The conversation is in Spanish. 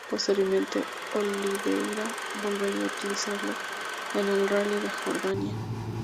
Posteriormente Oliveira volvería a utilizarlo en el Rally de Jordania.